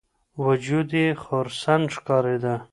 وجود یې خرسن ښکارېده.